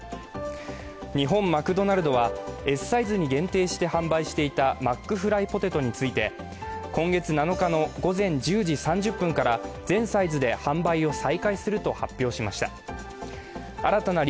日本マクドナルドはＳサイズに限定して販売していたマックフライポテトについて、今月７日の午前１０時３０分から全サイズで販売を再開すると発表しました。